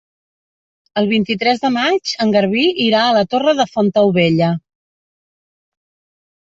El vint-i-tres de maig en Garbí irà a la Torre de Fontaubella.